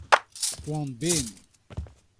poan-benn.